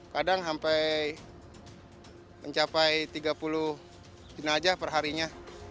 kadang sampai mencapai tiga puluh jenajah perharinya